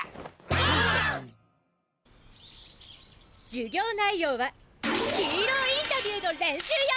授業内容は「ヒーローインタビュー」の練習よ！